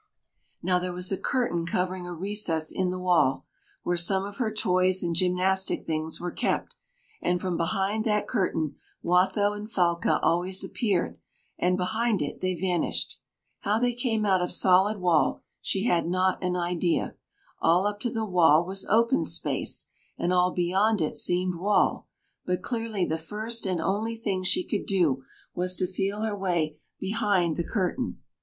Now there was a curtain covering a recess in the wall, where some of her toys and gymnastic things were kept; and from behind that curtain Watho and Falca always appeared, and behind it they vanished. How they came out of solid wall, she had not an idea; all up to the wall was open space, and all beyond it seemed wall; but clearly the first and only thing she could do was to feel her way behind the curtain.